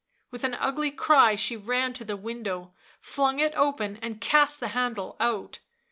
With an ugly cry she ran to the window, flung it open and cast the handle out.